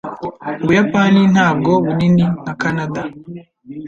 Ubuyapani ntabwo bunini nka Kanada